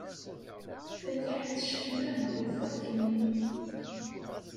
Fatiḥa teckelleɛ deg ufurk-nni.